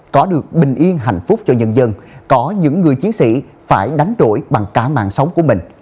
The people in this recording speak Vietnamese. có được bình yên hạnh phúc cho nhân dân có những người chiến sĩ phải đánh đổi bằng cả mạng sống của mình